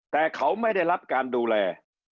แต่เขาไม่ได้รับการดูแล